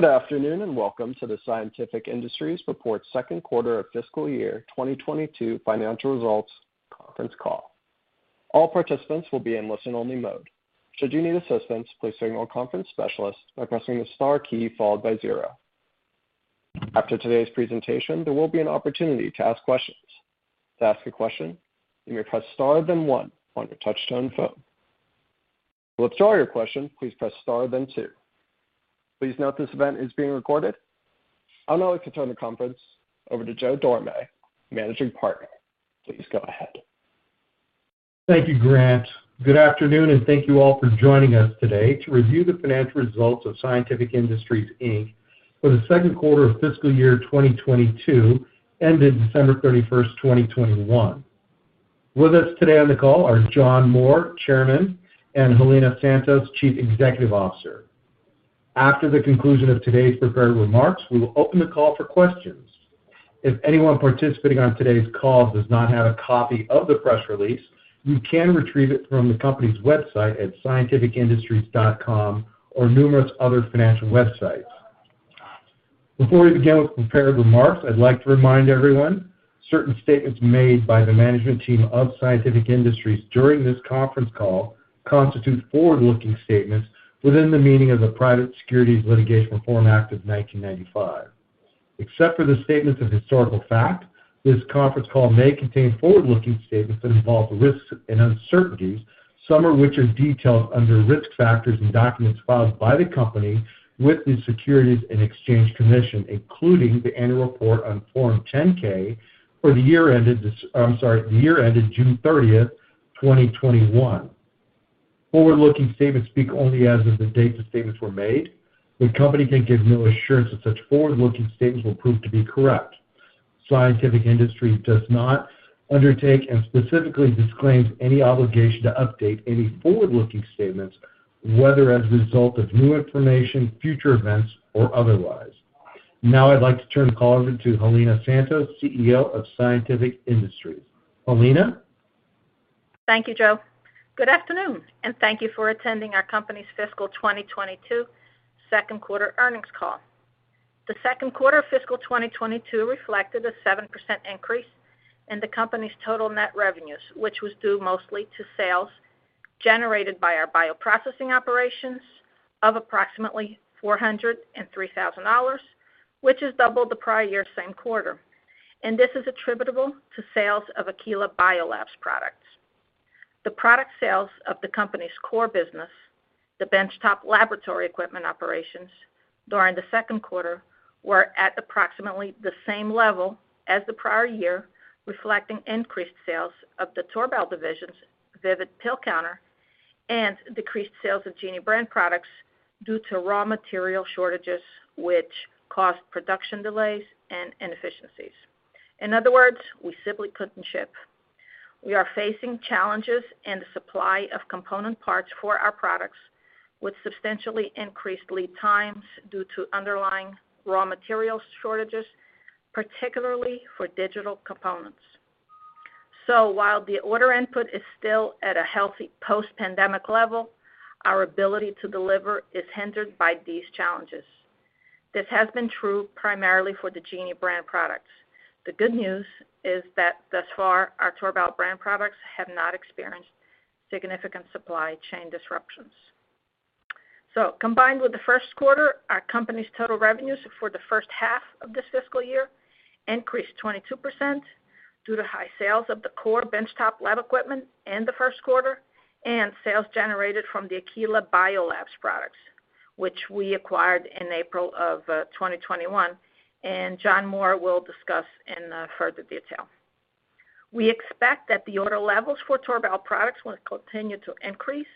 Good afternoon, and welcome to the Scientific Industries Report Second Quarter of Fiscal Year 2022 Financial Results Conference Call. All participants will be in listen-only mode. Should you need assistance, please signal a conference specialist by pressing the star key followed by zero. After today's presentation, there will be an opportunity to ask questions. To ask a question, you may press star then one on your touch-tone phone. To withdraw your question, please press star then two. Please note this event is being recorded. I'll now like to turn the conference over to Joe Dorame, Managing Partner. Please go ahead. Thank you, Grant. Good afternoon, and thank you all for joining us today to review the Financial Results of Scientific Industries, Inc. for the Second Quarter of Fiscal Year 2022 ended December 31, 2021. With us today on the call are John Moore, Chairman, and Helena Santos, Chief Executive Officer. After the conclusion of today's prepared remarks, we will open the call for questions. If anyone participating on today's call does not have a copy of the press release, you can retrieve it from the company's website at scientificindustries.com or numerous other financial websites. Before we begin with prepared remarks, I'd like to remind everyone, certain statements made by the management team of Scientific Industries during this conference call constitute forward-looking statements within the meaning of the Private Securities Litigation Reform Act of 1995. Except for the statements of historical fact, this conference call may contain forward-looking statements that involve risks and uncertainties, some of which are detailed under Risk Factors in documents filed by the company with the Securities and Exchange Commission, including the annual report on Form 10-K for the year ended June 30, 2021. Forward-looking statements speak only as of the date the statements were made. The company can give no assurance that such forward-looking statements will prove to be correct. Scientific Industries does not undertake and specifically disclaims any obligation to update any forward-looking statements, whether as a result of new information, future events, or otherwise. Now I'd like to turn the call over to Helena Santos, CEO of Scientific Industries. Helena? Thank you, Joe. Good afternoon, and thank you for attending Our Company's Fiscal 2022 Second Quarter Earnings Call. The second quarter of fiscal 2022 reflected a 7% increase in the company's total net revenues, which was due mostly to sales generated by our bioprocessing operations of approximately $403,000, which is double the prior year same quarter. This is attributable to sales of aquila biolabs products. The product sales of the company's core business, the benchtop laboratory equipment operations during the second quarter were at approximately the same level as the prior year, reflecting increased sales of the Torbal division's VIVID pill counter and decreased sales of Genie brand products due to raw material shortages which caused production delays and inefficiencies. In other words, we simply couldn't ship. We are facing challenges in the supply of component parts for our products with substantially increased lead times due to underlying raw material shortages, particularly for digital components. While the order input is still at a healthy post-pandemic level, our ability to deliver is hindered by these challenges. This has been true primarily for the Genie Brand products. The good news is that thus far, our Torbal Brand products have not experienced significant supply chain disruptions. Combined with the first quarter, our company's total revenues for the first half of this fiscal year increased 22% due to high sales of the core benchtop lab equipment in the first quarter and sales generated from the aquila biolabs products, which we acquired in April of 2021, and John Moore will discuss in further detail. We expect that the order levels for Torbal products will continue to increase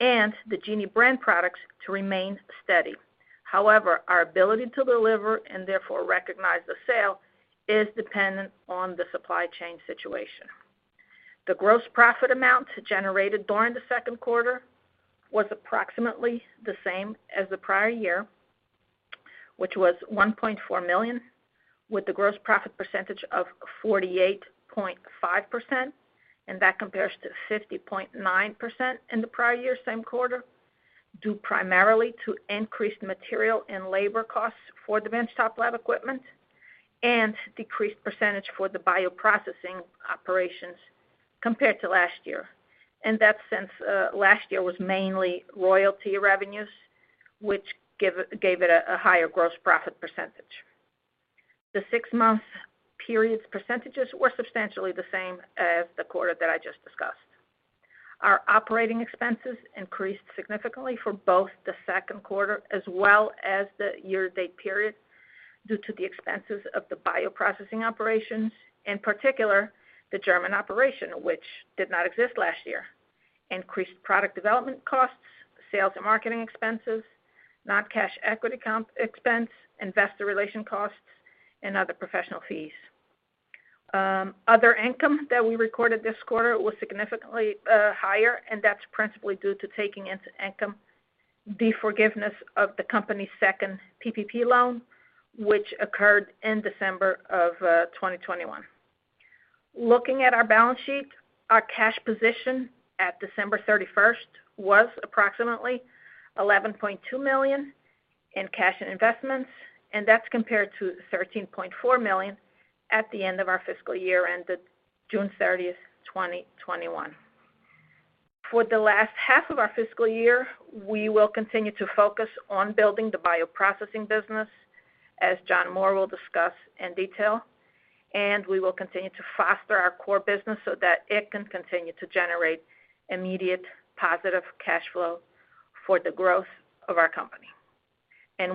and the Genie brand products to remain steady. However, our ability to deliver and therefore recognize the sale is dependent on the supply chain situation. The gross profit amount generated during the second quarter was approximately the same as the prior year, which was $1.4 million, with the gross profit percentage of 48.5%, and that compares to 50.9% in the prior year same quarter, due primarily to increased material and labor costs for the benchtop lab equipment and decreased percentage for the bioprocessing operations compared to last year. In that sense, last year was mainly royalty revenues, which gave it a higher gross profit percentage. The six-month periods percentages were substantially the same as the quarter that I just discussed. Our operating expenses increased significantly for both the second quarter as well as the year-to-date period due to the expenses of the bioprocessing operations, in particular the German operation, which did not exist last year, increased product development costs, sales and marketing expenses, non-cash equity compensation expense, investor relations costs, and other professional fees. Other income that we recorded this quarter was significantly higher, and that's principally due to taking into income the forgiveness of the company's second PPP loan, which occurred in December of 2021. Looking at our balance sheet, our cash position at December 31st was approximately $11.2 million in cash and investments, and that's compared to the $13.4 million at the end of our fiscal year ended June 30th, 2021. For the last half of our fiscal year, we will continue to focus on building the Bioprocessing business, as John Moore will discuss in detail. We will continue to foster our core business so that it can continue to generate immediate positive cash flow for the growth of our company.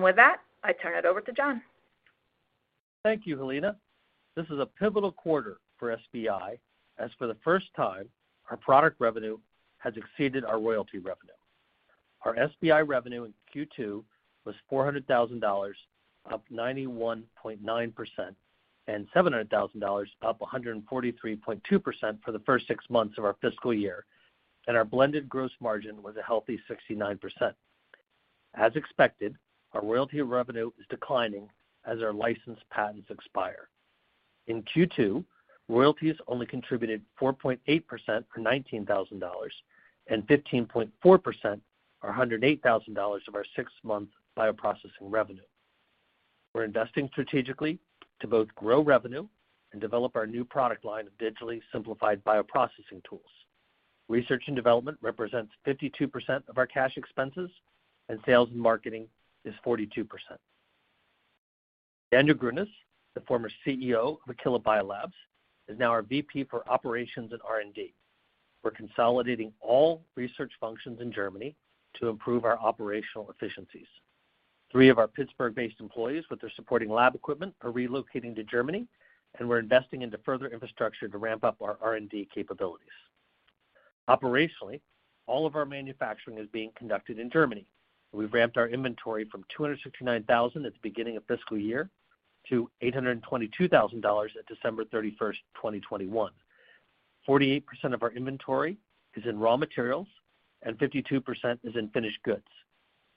With that, I turn it over to John. Thank you, Helena. This is a pivotal quarter for SBI, as for the first time, our product revenue has exceeded our royalty revenue. Our SBI revenue in Q2 was $400,000, up 91.9%, and $700,000, up 143.2% for the first six months of our fiscal year, and our blended gross margin was a healthy 69%. As expected, our royalty revenue is declining as our licensed patents expire. In Q2, royalties only contributed 4.8% or $19,000 and 15.4% or $108,000 of our six-month bioprocessing revenue. We're investing strategically to both grow revenue and develop our new product line of digitally simplified bioprocessing tools. Research and development represents 52% of our cash expenses, and sales and marketing is 42%. Daniel Grünes, the former CEO of aquila biolabs, is now our VP for Operations and R&D. We're consolidating all research functions in Germany to improve our operational efficiencies. Three of our Pittsburgh-based employees with their supporting lab equipment are relocating to Germany, and we're investing into further infrastructure to ramp up our R&D capabilities. Operationally, all of our manufacturing is being conducted in Germany. We've ramped our inventory from $269,000 at the beginning of fiscal year to $822,000 at December 31, 2021. 48% of our inventory is in raw materials and 52% is in finished goods.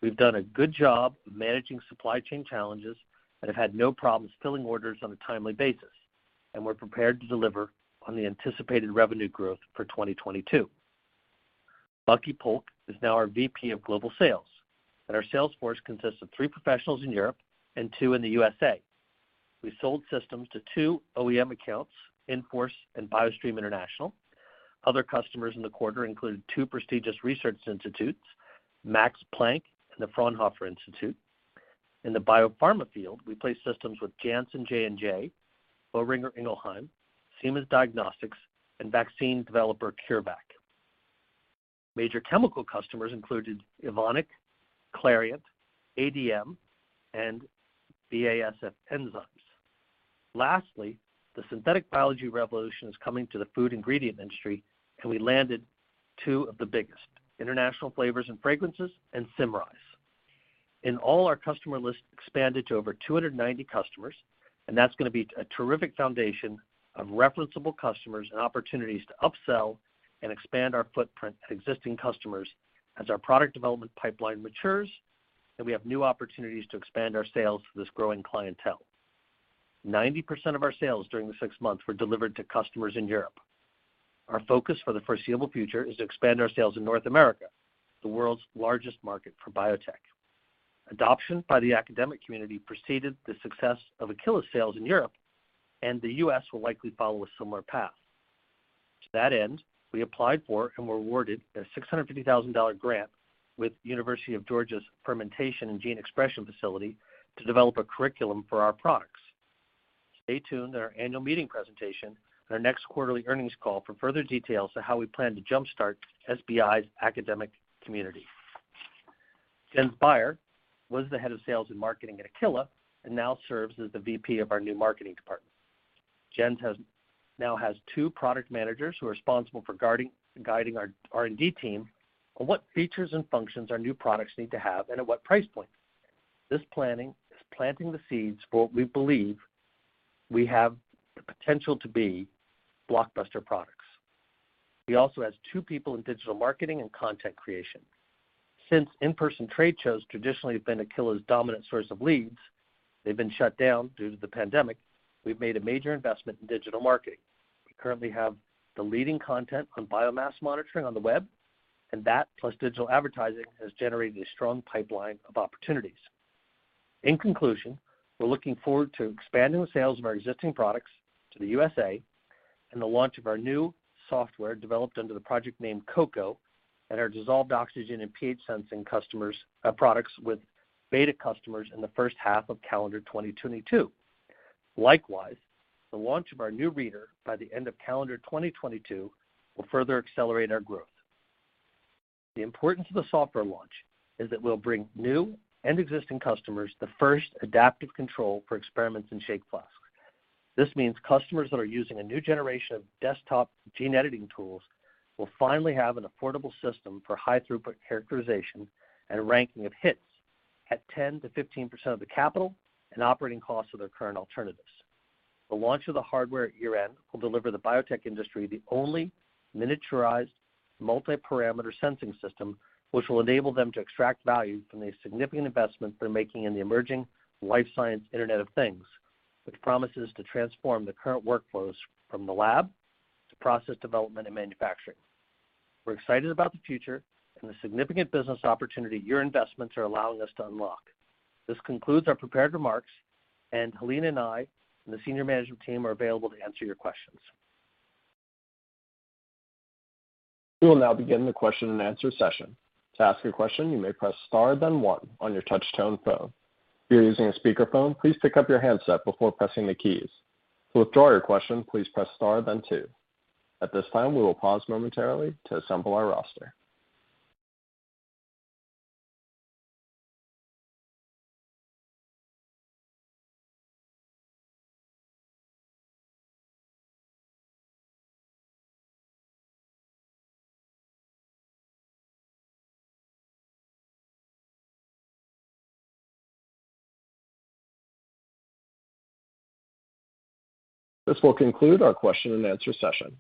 We've done a good job of managing supply chain challenges and have had no problems filling orders on a timely basis, and we're prepared to deliver on the anticipated revenue growth for 2022. Luki Polk is now our VP of Global Sales, and our sales force consists of three professionals in Europe and two in the USA. We sold systems to two OEM accounts, Infors and Biostream International. Other customers in the quarter include two prestigious research institutes, Max Planck and the Fraunhofer Institute. In the biopharma field, we placed systems with Janssen J&J, Boehringer Ingelheim, Siemens Diagnostics, and vaccine developer CureVac. Major chemical customers included Evonik, Clariant, ADM, and BASF Enzymes. Lastly, the synthetic biology revolution is coming to the Food Ingredient industry, and we landed two of the biggest, International Flavors and Fragrances and Symrise. In all, our customer list expanded to over 290 customers, and that's going to be a terrific foundation of referenceable customers and opportunities to upsell and expand our footprint at existing customers as our product development pipeline matures and we have new opportunities to expand our sales to this growing clientele. 90% of our sales during the six months were delivered to customers in Europe. Our focus for the foreseeable future is to expand our sales in North America, the world's largest market for biotech. Adoption by the academic community preceded the success of aquila's sales in Europe, and the U.S. will likely follow a similar path. To that end, we applied for and were awarded a $650,000 grant with the University of Georgia's Bioexpression and Fermentation Facility to develop a curriculum for our products. Stay tuned to our annual meeting presentation and our Next Quarterly Earnings Call for further details on how we plan to jumpstart SBI's academic community. Jens Bayer was the Head of Sales and Marketing at aquila biolabs and now serves as the VP of our new Marketing department. Jens now has two Product Managers who are responsible for guiding our R&D team on what features and functions our new products need to have and at what price point. This planning is planting the seeds for what we believe we have the potential to be blockbuster products. He also has two people in digital marketing and content creation. Since in-person trade shows traditionally have been aquila biolabs' dominant source of leads, they've been shut down due to the pandemic, we've made a major investment in digital marketing. We currently have the leading content on biomass monitoring on the web, and that, plus digital advertising, has generated a strong pipeline of opportunities. In conclusion, we're looking forward to expanding the sales of our existing products to the USA and the launch of our new software developed under the project name COCO and our dissolved oxygen and pH sensing products with beta customers in the first half of calendar 2022. Likewise, the launch of our new reader by the end of calendar 2022 will further accelerate our growth. The importance of the software launch is that we'll bring new and existing customers the first adaptive control for experiments in shake flasks. This means customers that are using a new generation of desktop gene editing tools will finally have an affordable system for high-throughput characterization and a ranking of hits at 10%-15% of the capital and operating costs of their current alternatives. The launch of the hardware at year-end will deliver the Biotech industry the only miniaturized multi-parameter sensing system, which will enable them to extract value from the significant investment they're making in the emerging life science Internet of Things, which promises to transform the current workflows from the lab to process development and manufacturing. We're excited about the future and the significant business opportunity your investments are allowing us to unlock. This concludes our prepared remarks, and Helena and I and the senior management team are available to answer your questions. We will now begin the question and answer session. To ask a question, you may press star then one on your touch-tone phone. If you're using a speakerphone, please pick up your handset before pressing the keys. To withdraw your question, please press star then two. At this time, we will pause momentarily to assemble our roster. This will conclude our question and answer session.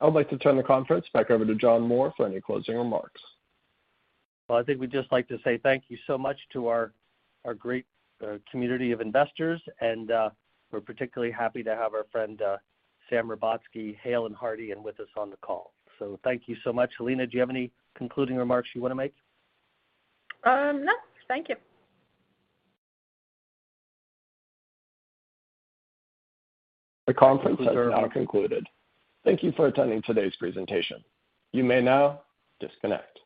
I would like to turn the conference back over to John Moore for any closing remarks. Well, I think we'd just like to say thank you so much to our great community of investors, and we're particularly happy to have our friend Sam Robatsky, Hale and Hearty, in with us on the call. Thank you so much. Helena, do you have any concluding remarks you want to make? No. Thank you. The conference has now concluded. Thank you for attending today's presentation. You may now disconnect.